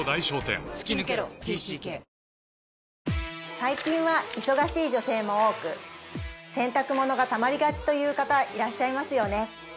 最近は忙しい女性も多く洗濯物がたまりがちという方いらっしゃいますよね